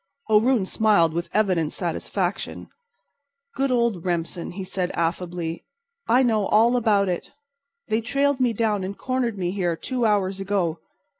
O'Roon smiled with evident satisfaction. "Good old Remsen," he said, affably, "I know all about it. They trailed me down and cornered me here two hours ago.